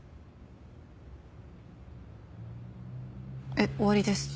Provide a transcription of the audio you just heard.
えっ終わりです。